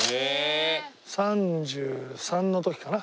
３３の時かな。